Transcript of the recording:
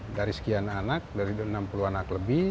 dari sekian anak dari enam puluh anak lebih